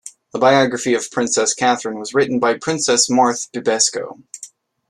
A biography of Princess Catherine was written by Princess Marthe Bibesco.